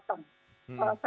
yang harus dijawab karena kita